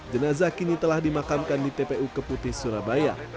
jenazah kini telah dimakamkan di tpu keputi surabaya